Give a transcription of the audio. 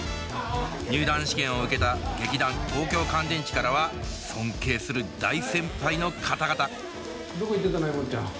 入団試験を受けた劇団東京乾電池からは尊敬する大先輩の方々どこ行ってたのえもっちゃん。